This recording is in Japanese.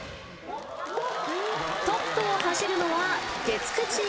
トップを走るのは月９チーム。